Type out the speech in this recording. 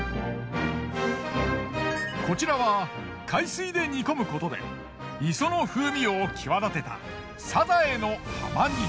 こちらは海水で煮込むことで磯の風味を際立てたサザエの浜煮。